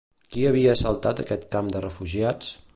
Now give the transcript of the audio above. Qui havia assaltat aquest camp de refugiats?